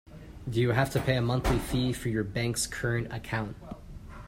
Do you have to pay a monthly fee for your bank’s current account?